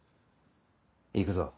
行くぞ。